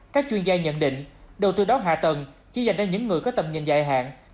các chuyên gia nhận định đầu tư đó hạ tầng chỉ dành cho những người có tầm nhìn dài hạn